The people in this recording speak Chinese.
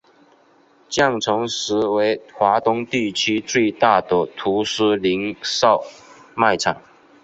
建成时为华东地区最大的图书零售卖场。